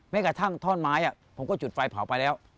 กระทั่งท่อนไม้ผมก็จุดไฟเผาไปแล้ว